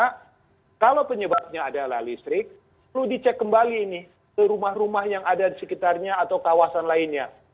karena kalau penyebabnya adalah listrik perlu dicek kembali ini ke rumah rumah yang ada di sekitarnya atau kawasan lainnya